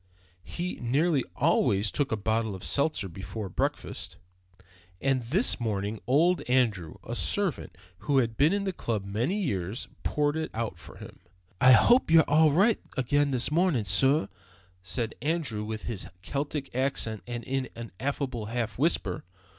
He nearly always took a bottle of seltzer before breakfast, and this morning old Andrew (a servant who had been in the club many years) poured it out for him. "I hope you're all right again this mornin', sorr," said Andrew with his Celtic accent and in an affable half whisper.